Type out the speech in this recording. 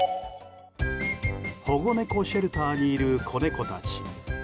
保護猫シェルターにいる子猫たち。